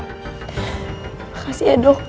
makasih ya dok